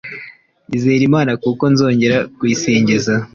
izere imana, kuko nzongera kuyisingiza